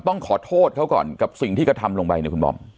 ต้องขอโทษเขาก่อนกับสิ่งที่กระทำลงไปเนี่ยคุณบอม